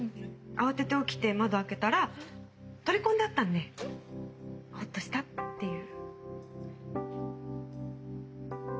慌てて起きて窓を開けたら取り込んであったんでホッとしたっていう。